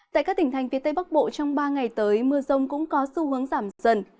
tại các tỉnh thành phía tây bắc bộ trong ba ngày tới mưa rông cũng có xu hướng giảm dần